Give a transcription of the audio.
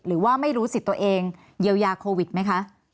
หรือว่าไม่รู้สิทธิ์ตัวเองเยียวยาโควิดไหมคะ